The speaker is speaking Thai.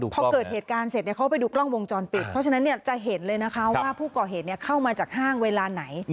พอเกิดเหตุการณ์เสร็จเขาไปดูกล้องวงจรปิดเพราะฉะนั้นจะเห็นเลยนะคะว่าผู้ก่อเหตุเข้ามาจากห้างเวลาไหน